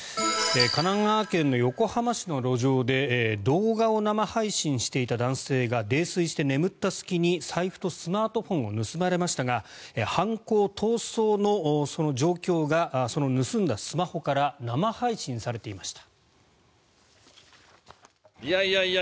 神奈川県の横浜市の路上で動画を生配信していた男性が泥酔して眠った隙に財布とスマートフォンを盗まれましたが犯行、逃走の状況が盗んだスマホから生配信されていました。